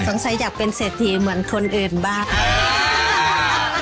อยากเป็นเศรษฐีเหมือนคนอื่นบ้าง